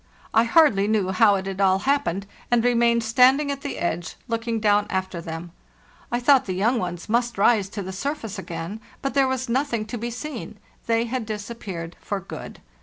I hardly knew how it had all happened, and remained standing at the edge looking down after them. I thought the young ones must rise to the surface again, but there was nothing to be seen; they had disappeared for good.